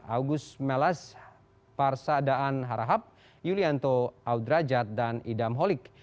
august melas parsa daan harahap yulianto audrajat dan idam holik